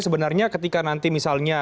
sebenarnya ketika nanti misalnya